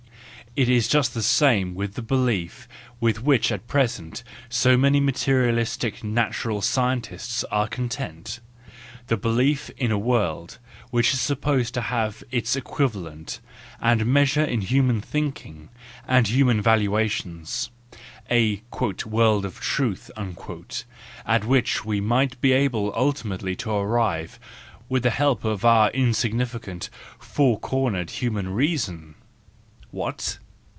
... It is just the same with the belief with which at present so many materialistic natural scientists are content, the belief in a world which is supposed to have its WE FEARLESS ONES 339 equivalent and measure in human thinking and human valuations, a " world of truth " at which we might be able ultimately to arrive with the help of our insignificant, four cornered human reason! What?